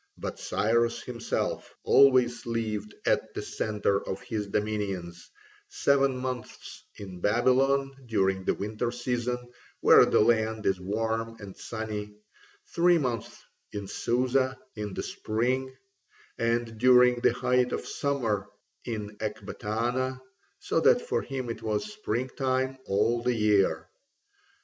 But Cyrus himself always lived at the centre of his dominions, seven months in Babylon during the winter season, where the land is warm and sunny, three months at Susa in the spring, and during the height of summer in Ecbatana, so that for him it was springtime all the year.